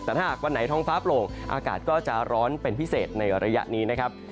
แต่ถ้าหากวันไหนท้องฟ้าโปร่งอากาศก็จะร้อนเป็นพิเศษในระยะนี้นะครับ